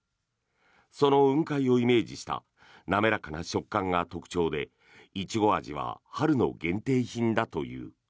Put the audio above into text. その雲海をイメージしたなめらかな食感が特徴でイチゴ味は春の限定品だという。